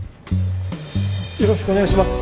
よろしくお願いします。